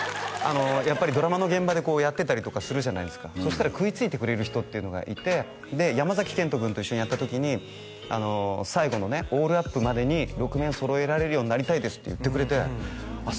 やっぱりドラマの現場でこうやってたりとかするじゃないですかそしたら食いついてくれる人っていうのがいてで山賢人君と一緒にやった時に最後のねオールアップまでに６面揃えられるようになりたいですって言ってくれてあっ